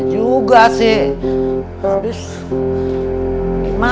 juga sih terus gimana ya pak tapi menurut abah ada satu mi jalan kita percepat rumana